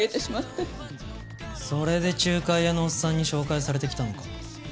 それで仲介屋のおっさんに紹介されて来たのか。